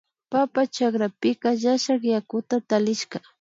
Papa chakrapika llashak yakuta tallinki